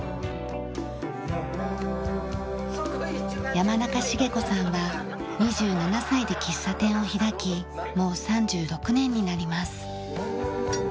山中茂子さんは２７歳で喫茶店を開きもう３６年になります。